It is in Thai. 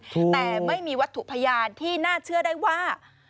แต่ไม่มีวัตถุพยานที่น่าเชื่อได้ว่า